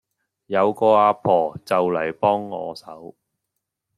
有個阿婆就嚟幫我手